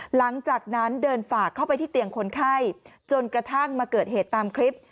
หลังจากนั้นเดินฝากเข้าไปที่เตียงคนไข้จนกระทั่งมาเกิดเหตุตามคลิป